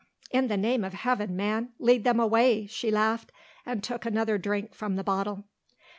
"In the name of Heaven, man, lead them away," she laughed, and took another drink from the bottle.